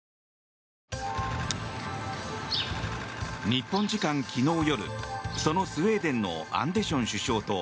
日本時間昨日夜そのスウェーデンのアンデション首相と